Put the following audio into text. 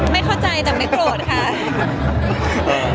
ไม่เข้าใจแต่ไม่โกรธค่ะ